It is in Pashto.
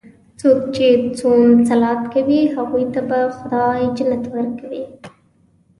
څوک چې صوم صلات کوي، هغوی ته به خدا جنت ورکوي.